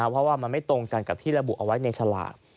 เพราะว่ามันไม่ตรงกันกับที่ระบุเอาไว้ในฉลาก